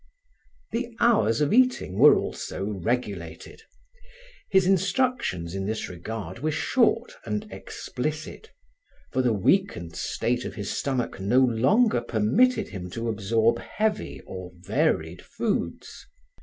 The hours of eating were also regulated. His instructions in this regard were short and explicit, for the weakened state of his stomach no longer permitted him to absorb heavy or varied foods.